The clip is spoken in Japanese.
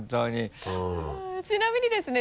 ちなみにですね